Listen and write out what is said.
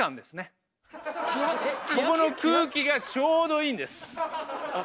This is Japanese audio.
ここの空気がちょうどいいんです。